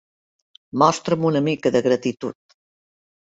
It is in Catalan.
Mostra'm una mica de gratitud.